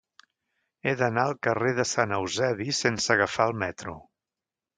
He d'anar al carrer de Sant Eusebi sense agafar el metro.